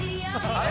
「あれ？